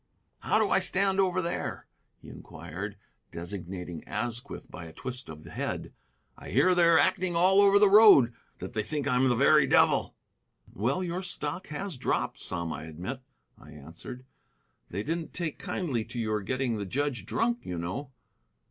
"How do I stand over there?" he inquired, designating Asquith by a twist of the head. "I hear they're acting all over the road; that they think I'm the very devil." "Well, your stock has dropped some, I admit," I answered. "They didn't take kindly to your getting the judge drunk, you know."